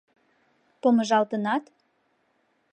— Помыжалтынат?